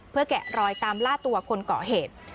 แกะรอยตามล่าตัวคนก่อเหตุ